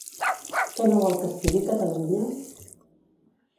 Què no vol que sigui Catalunya?